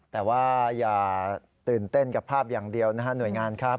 แต่ว่าอย่าตื่นเต้นกับภาพอย่างเดียวนะฮะหน่วยงานครับ